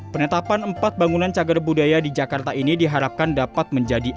penetapan empat bangunan cagar budaya di jakarta ini diharapkan dapat menjadi